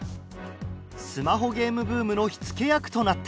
スマホゲームブームの火付け役となった。